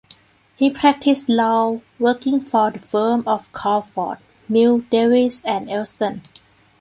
He practised law, working for the firm of Crawford, Mill Davies and Elston.